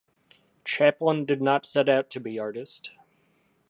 Chaplin did not set out to be artist.